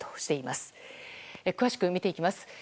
詳しく見ていきます。